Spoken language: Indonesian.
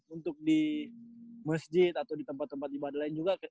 untuk di masjid atau di tempat tempat ibadah lain juga